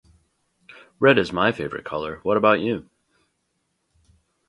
Red is my favorite color, what about you?